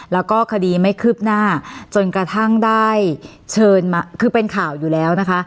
แล้วก็คดีไม่คืบหน้าจนกระทั่งได้เชิญมาคือเป็นข่าวอยู่แล้วนะคะ